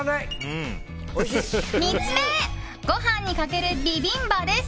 ３つ目ご飯にかけるビビンバです。